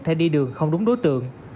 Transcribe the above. thẻ đi đường không đúng đối tượng